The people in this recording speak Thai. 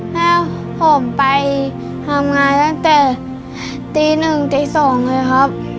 แม่ผมไปทำงานตั้งแต่ตี๑๒เลยครับ